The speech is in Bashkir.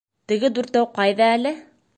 Теге Дүртәү ҡайҙа әле?